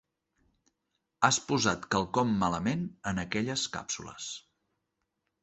Has posat quelcom malament en aquelles càpsules.